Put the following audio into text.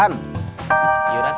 kalau kau mauousep katanya